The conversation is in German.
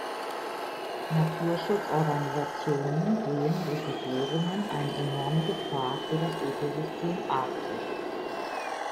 Naturschutzorganisationen sehen durch die Bohrungen eine enorme Gefahr für das Ökosystem Arktis.